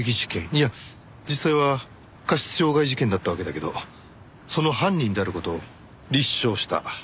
いや実際は過失傷害事件だったわけだけどその犯人である事を立証した。